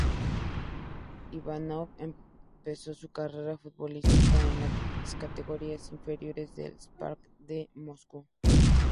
Ivanov empezó su carrera futbolística en las categorías inferiores del Spartak de Moscú.